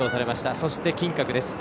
そして、金閣です。